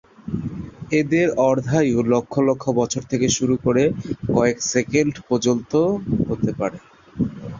এদের অর্ধায়ু লক্ষ লক্ষ বছর থেকে শুরু করে কয়েক সেকেন্ড পর্যন্ত হতে পারে।